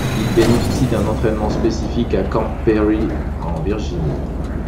Il bénéficie d'un entraînement spécifique à Camp Peary en Virginie.